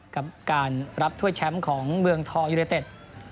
กับการรับถ้วยแชมป์ของเมืองทองยูเนเต็ด